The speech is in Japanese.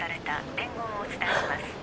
☎「伝言をお伝えします」